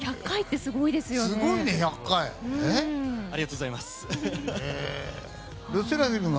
すごいね、１００回は。